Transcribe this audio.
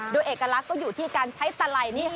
โดยเอกลักษณ์ก็อยู่ที่การใช้ตะไลนี่ค่ะ